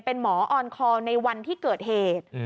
เป็นหมอออนคอลในวันที่เกิดเหตุ